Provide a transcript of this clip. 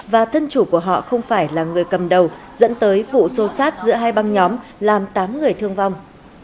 và thân chủ của họ không phải là người cầm đầu dẫn tới vụ xô xát giữa hai băng nhóm làm tám người thương vong